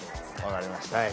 分かりました